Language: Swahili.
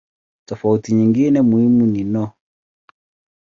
Tofauti nyingine muhimu ni no.